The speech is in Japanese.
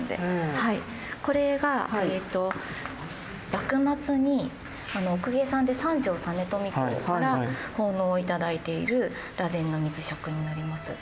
これが幕末にお公家さんで三条実美公から奉納頂いている螺鈿の水杓になります。